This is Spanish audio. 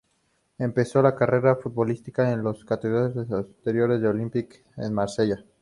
Empezó su carrera futbolística en las categorías inferiores del Olympique de Marsella.